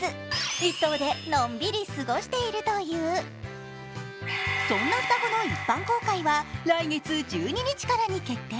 １頭でのんびり過ごしているというそんな双子の一般公開は来月１２日からに決定。